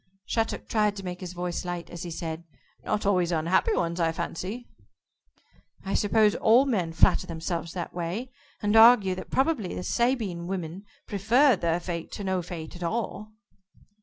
Shattuck tried to make his voice light, as he said: "Not always unhappy ones, I fancy." "I suppose all men flatter themselves that way, and argue that probably the Sabine women preferred their fate to no fate at all."